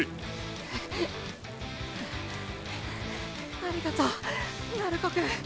ありがとう鳴子くん。